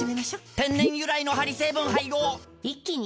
天然由来のハリ成分配合一気に！